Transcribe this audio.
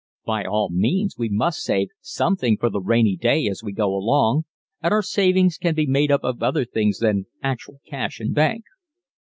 By all means we must save something for the "rainy day" as we go along and our savings can be made up of other things than actual cash in bank.